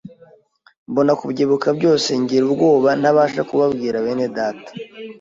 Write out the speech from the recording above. mbona kubyibuka byose, ngira ubwoba ntabasha kubabwira bene Data